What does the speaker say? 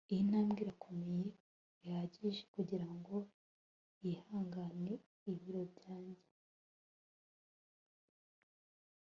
iyi ntambwe irakomeye bihagije kugirango yihangane ibiro byanjye